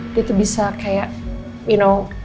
dia tuh bisa kayak you know